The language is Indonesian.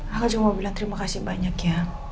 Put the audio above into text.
aku cuma mau bilang terima kasih banyak ya